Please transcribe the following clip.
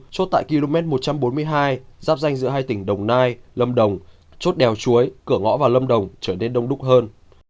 chốt tại km một trăm bốn mươi hai giáp danh giữa hai tỉnh đồng nai lâm đồng chốt đèo chuối cửa ngõ vào lâm đồng trở nên đông đúc hơn